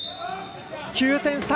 ９点差。